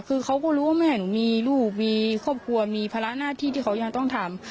คือเขาก็รู้ว่าแม่หนูมีลูกมีครอบครัวมีภาระหน้าที่ที่เขายังต้องทำ